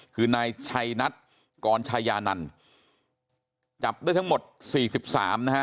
คือนายชัยนัทกรชายานันต์จับได้ทั้งหมดสี่สิบสามนะฮะ